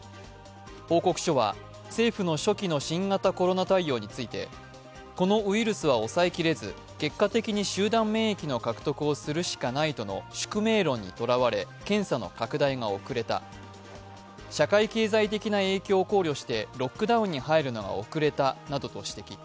報告書は政府の初期の新型コロナ対応について、このウイルスは抑えきれず、結果的に集団免疫をするしかないとの宿命論にとらわれ検査の拡大が遅れた、社会経済的な影響を考慮して、ロックダウンに入るのが遅れたなどと指摘。